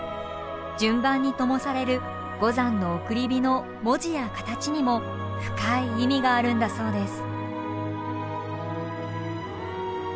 順番にともされる五山の送り火の文字や形にも深い意味があるんだそうです。